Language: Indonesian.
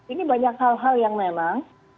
ini banyak hal hal yang memang